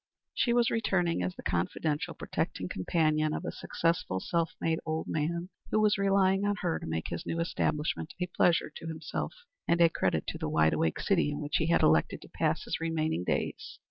She was returning as the confidential, protecting companion of a successful, self made old man, who was relying on her to make his new establishment a pleasure to himself and a credit to the wide awake city in which he had elected to pass his remaining days.